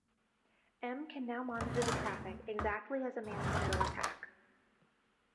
M can now monitor the traffic, exactly as in a man-in-the-middle attack.